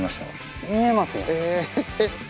見えますよ。